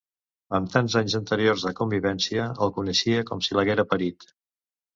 Amb tants anys anteriors de convivència, el coneixia com si l'haguera parit!